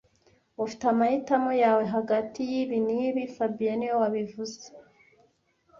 Ufite amahitamo yawe hagati yibi n'ibi fabien niwe wabivuze